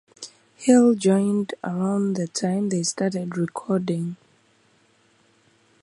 Hill joined around the time they started recording.